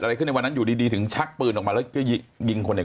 อะไรขึ้นในวันนั้นอยู่ดีถึงชักปืนออกมาแล้วก็ยิงคนเนี่ย